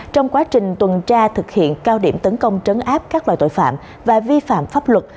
trong quá trình tuần tra thực hiện cao điểm tấn công trấn áp các loại tội phạm và vi phạm pháp luật